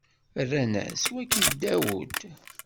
Rran-as: Wagi n Dawed.